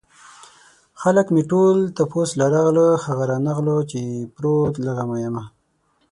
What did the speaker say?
خلک مې ټول تپوس له راغله هغه رانغلو چې يې پروت له غمه يمه